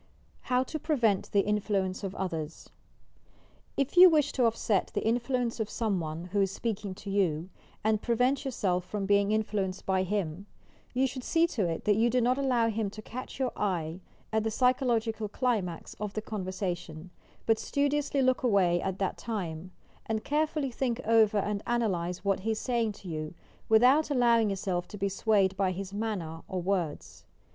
HOW TO PREVENT THE INTLUENCB OP OTHERS If you wish to offset the influence of some one, who is speaking to you, and prevent yourself from being influenced by him, you should see to it that you do not allow him to catch your eye at the psychological climax of the conversation, but studiously look away at that time, and carefully think over and analyse what he is saying to you, without allowing yourself to be swayed by his manner or words.